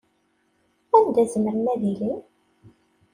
Anda zemren ad ilin?